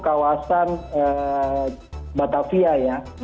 itu kawasan batavia ya